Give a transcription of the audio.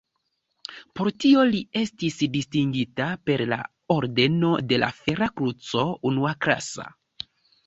Por tio li estis distingita per la ordeno de la Fera Kruco unuaklasa.